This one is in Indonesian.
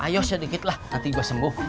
ayo sedikit lah nanti gua semuh